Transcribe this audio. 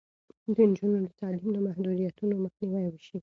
د نجونو د تعلیم له محدودیتونو مخنیوی وشي.